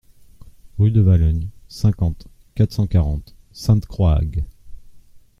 Rue de Valognes, cinquante, quatre cent quarante Sainte-Croix-Hague